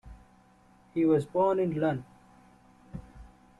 He was born in Lund.